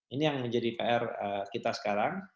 ini yang menjadi pr kita sekarang